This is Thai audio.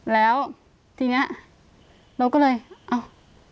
แล้วทีนี้เราก็เลยเอ้า